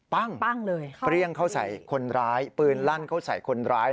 ปั้งเลยค่ะเปรี้ยงเข้าใส่คนร้ายปืนลั่นเข้าใส่คนร้าย